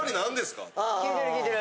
聞いてる聞いてる。